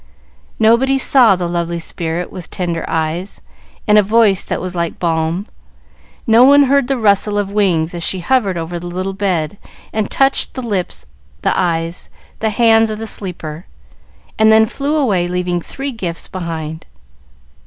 Nobody saw the lovely spirit with tender eyes, and a voice that was like balm. No one heard the rustle of wings as she hovered over the little bed and touched the lips, the eyes, the hands of the sleeper, and then flew away, leaving three gifts behind.